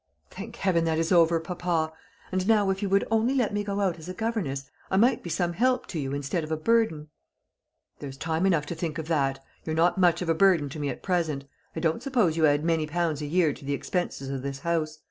"Thank heaven that is over, papa! And now, if you would only let me go out as a governess, I might be some help to you instead of a burden." "There's time enough to think of that. You are not much of a burden to me at present. I don't suppose you add many pounds a year to the expenses of this house.